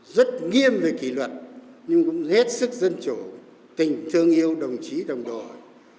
rất nghiêm về kỷ luật nhưng cũng hết sức dân chủ tình thương yêu đồng chí đồng đội